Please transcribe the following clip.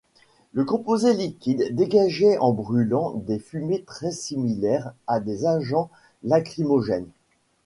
Le composé liquide dégageait en brûlant des fumées très similaires à des agents lacrymogènes.